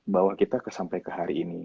bahwa kita sampai ke hari ini